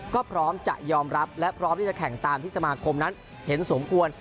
ก็พร้อมจะยอมรับและพร้อมที่จะแข่งตามที่สมาคมนั้นเห็นสมควร